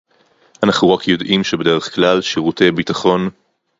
אנחנו רק יודעים שבדרך כלל שירותי ביטחון